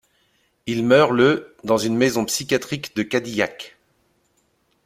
Il meurt le dans une maison psychiatrique de Cadillac.